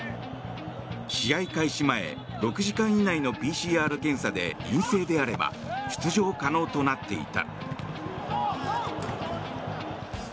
試合開始前６時間以内のＰＣＲ検査で陰性であれば出場可能となっていた。